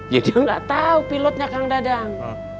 ya dia gak tau pilotnya kang dadang